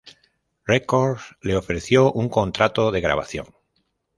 Records le ofreció un contrato de grabación.